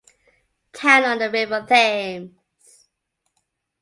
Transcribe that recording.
"Town on the River Thames".